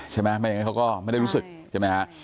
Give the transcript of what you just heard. ใช่ไหมไม่อย่างไรเขาก็ไม่ได้รู้สึกใช่ไหมครับ